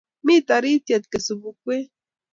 mi toritye kosobukwet